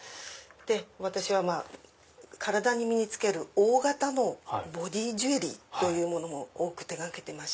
私は体に身に着ける大型のボディージュエリーも多く手がけてまして。